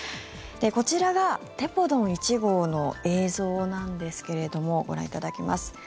こちらがテポドン１号の映像なんですけれどもご覧いただきます。